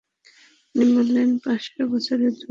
তিনি বললেন, পাঁচশ বছরের দূরত্ব।